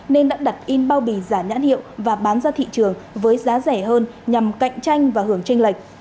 nên đã đặt in bao bì giả nhãn hiệu và bán ra thị trường với giá rẻ hơn nhằm cạnh tranh và hưởng tranh lệch